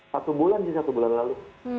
satu bulan sih satu bulan lalu